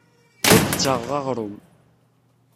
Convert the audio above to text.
Ur d-ssaɣeɣ aɣrum.